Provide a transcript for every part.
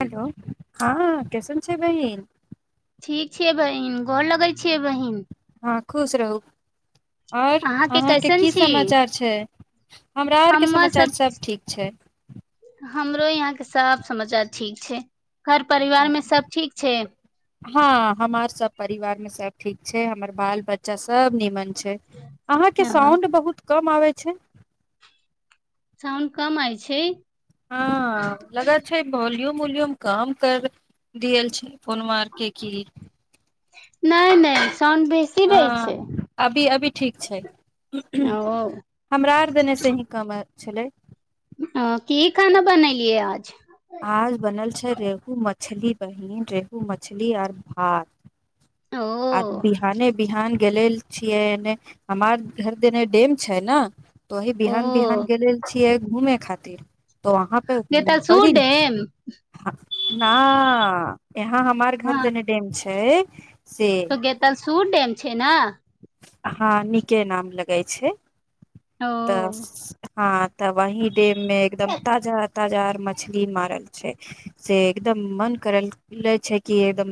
Hello हँ केसन छै बहिन ठीक छियै बहिन गोर लगै छियै बहिन हँ खुश रहू आओर अहाँके कैसन की छी समाचार छै हमरा आरके हम्मे समाचार सब सभ ठीक छै हमरो यहाँ के सब समाचार ठीक छै घर परिवार मे सब ठीक छै हँ हमार सब परिवार में सब ठीक छै हमर बाल बच्चा सब निमन छै अ छै साउंड कम आय छै हँ लगै छै भल्यूम मूल्यम कम कर देल छै फोनमा के की नहि नहि साउंड बेसी रहै छै हँ अभी अभी ठीक छै ओ हमरा आर दने से हीं कम आयत छलैह अ की खाना बनेलियए आज आज बनेल छै रेहु मछ मछली बहिन रेहू मछली आओर भात ओ आ बिहाने बिहान गेले छियै हमार घर एने डेम छै ने तो वहीं ओ बिहान बिहान गेले छियै घूमे खातिर त [unintelligible] त वहाँ पे गेतलसूर पड़ी डेम ना यहाँ हमार घर हँ देने डेम छै आँए तऽ गेत [unintelligible] सूट डेम छै ने हँ नीके नाम लगे छै ओ तऽ हँ तऽ वही डेम में एकदम ताजा ताजा आर मछली मारल छै से एकदम मन करल ले छै कि एकदम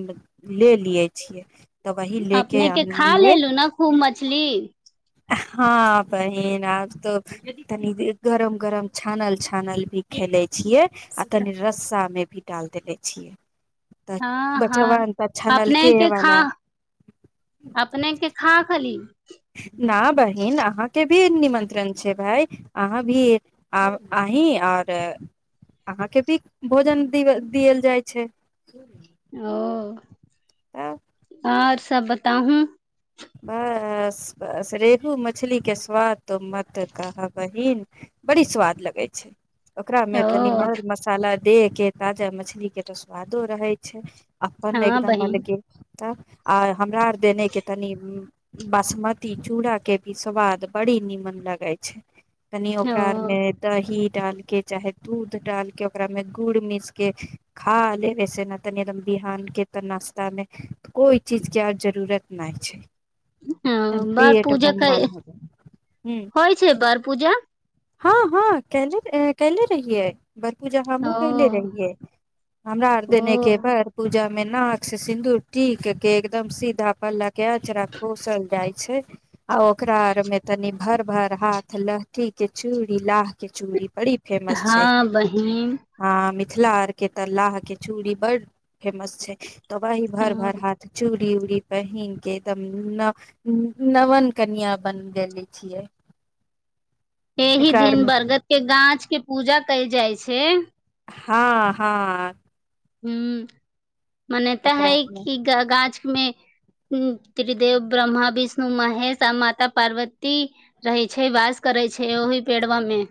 ले लियै छियै तऽ वही लेके अपने के खा आनलिए लेलु ने खूब मछली हँ बहिन आब तऽ तनी गरम गरम छानल छानल भी खेले छियै आ तनि रस्सामे भी डाल देले छियै तऽ हँ बचवन हँ तऽ छनलके अपनेके खा वाला अपनेके खा खाली [unintelligible] न बहिन अहाँके भी निमन्त्रण छै भाय अहाँ भी अहीं आओर अहाँके भी भोजन द देल जाइ छै ओ तऽ आओर सब बताहूँ बस बस रेहू मछली के स्वाद तो मत कह बहिन बड़ी स्वाद लगै छै ओकरा मे तनि ओ मर मसाला देह के ताजा मछली के तऽ स्वादो रहै छै अपन ने हँ एकदम बहिन अलगे तऽ आ हमरा आर देने के तनी बासमती चूड़ा के भी स्वाद बड़ी निमन लगै छै कनी ओकरा ओ आरमे दही डाल के चाहे दूध डालके ओकरा मे गुड़ मिस के खा लेवे से ने तनी एकदम बिहान के तऽ नाश्ता मे कोई चीज के आर जरूरत नहि छै हँ बर पेट पूजा बम बम कइ हो ह होइ छै बर पूजा हँ हँ केले रहि रहैय बड़ पूजा ओ हमहुँ कले रहियै हमरा आर ओ देने के बड़ पूजा मे नाक से सिन्दूर टीक के एकदम सीधा पल्ला के अंचरा पोसल जाय छै आ ओकरा आर में तनि भर भर हाथ लहठी के चूड़ी लाह के चूड़ी बड़ी फेमस छै हँ बहिन आ मिथिला आर के त लाह के चूड़ी बड़ी फेमस छै तबहीं ओ भरभर हाथ चूड़ी चूड़ी उड़ी पहिन के त न नवन कनीआ बनगेले छियै एहि ओकरा आर दिन मे बरगद के गाछ के पूजा कयल जाय छै छै हँ हँ हू मानताऽ है ओकरामे कि गाछ मे त्रिदेव ब्रह्म विष्णु महेश आ माता पार्वती रहै छै वास करै छै ओहि पेड़वा मे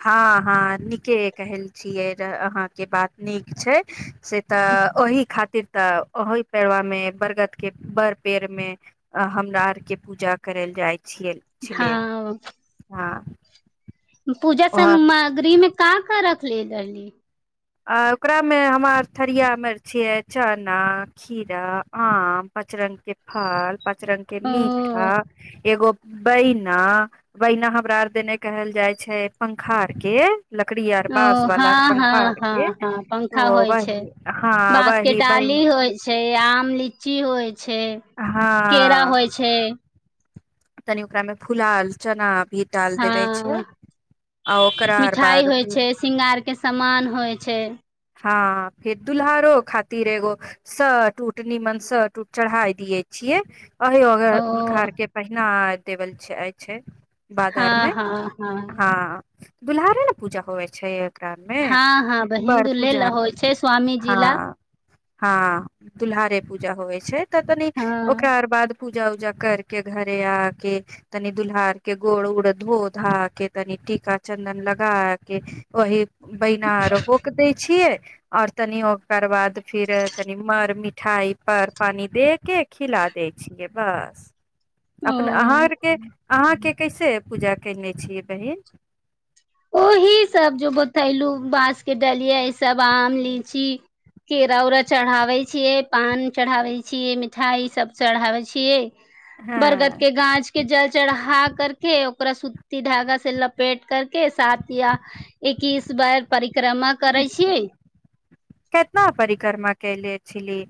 हँ हँ नीके कहल छियै अहाँके बात नीक छै से तऽ ओहि खातिर तऽ ओहि पेड़वा मे बरगद के बड़ पेड़ मे हमरा आरके पूजा करल जाइत छै छ छलियै हँ हँ पूजा वह सामग्री में क कर कखली देलली आ ओकरामे हमरा थरिया मिर्ची अइ चना खीरा आम पचरङ्गके फल पाँच रंग के ओ मीठा एगो बैना बैना हमरा आर देने कहल जाय छै पंखा आर के लकड़ी आार ओ बस वाला हँ हँ पंखार के हँ हँ पंखा तो होइ छै वही हँ बाँसके वही टाली बहिन होइ छै आम लीच की होइ छै केरा होइ छै तनी ओकरामे फुलाल चना भी डाल देवे छै हँ आ ओकरा आर मिठाइ होइ बाद छै सिंगार के समान होइ छै हँ फेर दुल्हारो खातिर एगो स टूट निीमन स टूट चढ़ााय दिये छियै अग ओ हुनका आर के पहिने टेबल छै हँ बाजारमे हँ हँ दुल्ारे ने पूजा होइ छै एकरा मे हँ हँ बड़ बहिन्दी पूजा त हँ हँ दुलहारहारे पूजा होइ छै छै त तनी हँ ओकरा बाद पू उजा उजा कर के घरे आ के तनि दुल्ार के गोड़ उड़ धो धा के तनि टीका चन्दन लगा के वही बै नारो होकतै छ आऔर तनि ओकर बाद फिर तनी मर मिठाई पर पानी दे के खिला दै छियै बस अपने ओ अहाँरके अहाँके कैसे पूजा कयने छियै बहिन ओहि सब जो बतैलू बांस के डलिये सब आम लीची केरा उरा चढ़ाबे छियै पान चढ़ाबे छियै मिठाई सब चढ़ाबे छियै बरगद हँ के गाछ के जल चढ़ा करके ओकरा सुती धागा से लपेट कर के साथ एकीस बार परिक्रमा करै छियै छलिए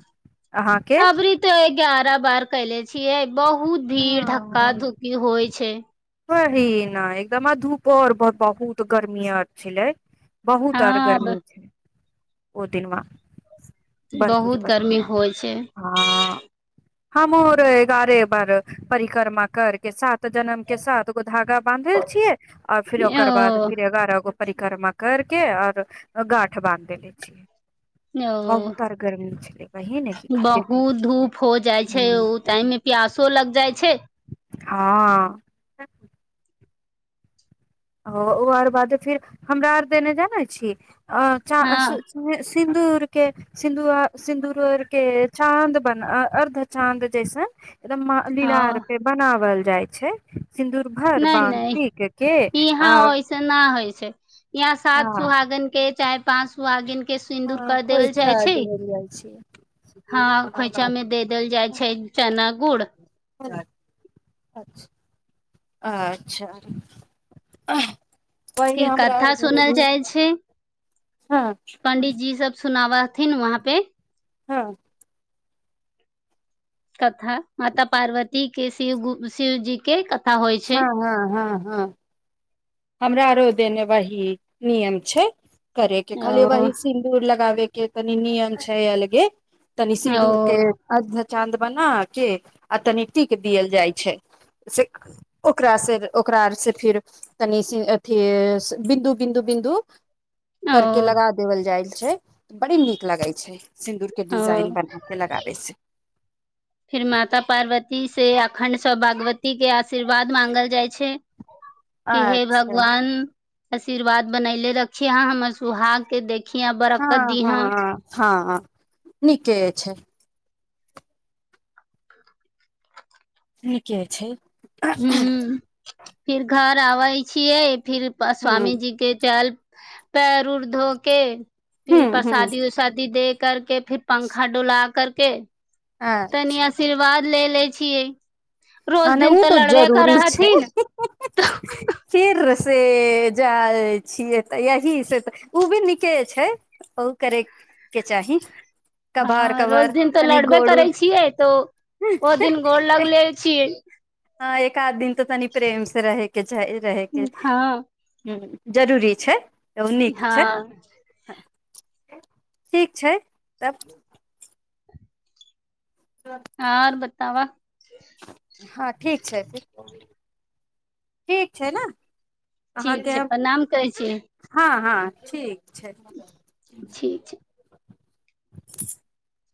आब री तऽ एगार ओकरा बाहर कले छियै बहुत भीड़ धक्का धुक्की होइ छै सही न एकदम धूप आओर बहुत गर्मी आर छलै बहुत आर हँ गर्मी छलै ओतिनवा [unintelligible] भरपूर बहुत गर्मी बगरमे होइ छै हँ [unintelligible] ह मोर गारे बार [unintelligible] परिक्रमा करके साथ जन्म के साथ गो धागा बानधल छियै आऔर फिर ओकर बाद ओ फिर एगारह गो परिक्रमा करके आऔर गाठ बान्ध दे ले छियै ओ बहुत आर गर्मी छलै बहिन एहि खातिर बहुत धूप हो जाइ छै ओ टाइम मे प्यासो लग जाइ छै हँ ओ ओ आर बाद फिर हमरा आर देने जानै छी अ हँ च [unintelligible] सिंदूर के सिंदूर सिंदूरके अर्ध चाँद जइसन एकदम लीला अर ओ पे बनावल जाइ छै सिन्दूर भर बानध पीख के हँ आओर ओऐसे न होइ छै त [unintelligible] इहाँ सात हँ सुहागन के चाहे पाँच सुहागिन के सिन्दूर हँ कर देवल जाइ खोइछा छै देल जाइ छै हँ खोइछा मे दे देल जाइ छै चना गुड़ अच्छा वही फिर हमरा आर कथा घरे सुनल भी जाइ छै हँ पण्डित जी सब सुनावा थिन वहाँ पे हँ सत माता पार्वती जी के शिव ग शिवजी के क हँ हँ हँ हँ हमरा आरो देने वही नियम छै करेके खाली ओ वही सिन्दूर लगाबे क त नि निम छैयलगे तनी ओ सिन्दूर के अ चाँद बना के आ तनिकटी के दियल जाइ छै से ओकरा से ओकरार से फिर तनीथ बिन्दु बिन्दु बिन्दु ओ करके लगा देबल जाए छै बड़ी नीक लगै छै सिन्दूर के ओ डिजाइन बना के लगाबे से फिर माता पार्वती से अखण्ड सब भागवती के आशीर्वाद मांगल जाइ छै कि हे अच्छा भगवान आशीर्वाद बनयले रखिय अहाँ हमर सुहााग के देख अखिया बरकत हँ दीहाँ हँ हँ नीके छै नीक छै हू फिर घर आबै छियै फिर ह स्वामी जी के चाल पैर उर धो के ह फिर ह प्रसादी उसादी देख करके फेर पंखा डुला कर के तनी अच्छा आशीर्वाद ले ले छियै रोज ह नहि दिन ओ तऽ त लड़बे जरूरी करै छै हथिन फेर से जाइ छियै तऽ यही से तऽ ओ भी नीके छै ओ करै के चाही कभार हँ रोज कभार दिन तऽ तनि लड़बे गोड़ करै उड़ छियै तऽ ओ दिन गोर लगले छियै ह एकाद दिन।। त तनि प्रेमसे रहैके चाहि रहैके हँ हः। जरूरी छैय। त ओ निक छैय। हँ ठीक छैय तब। आर बत। ताबा। ह ठीक छैय। ठीक छैय नै। ठीक छैय प्रणाम करै छी।। ह ठीक। छैय। ठीक छै [unintelligible]